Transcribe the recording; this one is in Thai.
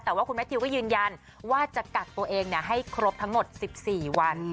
แต่ว่าคุณแมททิวก็ยืนยันว่าจะกักตัวเองให้ครบทั้งหมด๑๔วัน